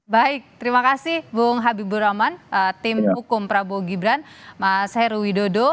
baik terima kasih bung habibur rahman tim hukum prabowo gibran mas heru widodo